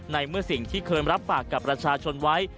ในเมื่อสิ่งที่เคยรับปากกับประชาชนไว้